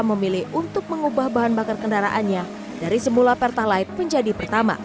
memilih untuk mengubah bahan bakar kendaraannya dari semula pertalite menjadi pertama